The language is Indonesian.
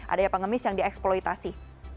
adanya pengemis yang dieksploitasi